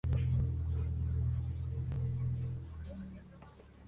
Tyrion entonces aparece en el lugar y se presenta frente a ella.